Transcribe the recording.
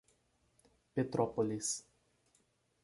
Petrópolis